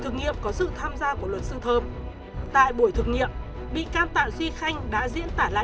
thực nghiệm có sự tham gia của luật sư thơm tại buổi thực nghiệm bị can tạ duy khanh đã diễn tả lại